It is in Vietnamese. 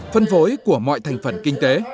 phân phối của mọi thành phần kinh tế